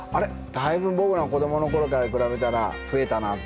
だいぶ僕らの子どもの頃から比べたら増えたな。